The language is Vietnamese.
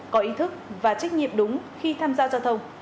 có ý thức và trách nhiệm đúng khi tham gia giao thông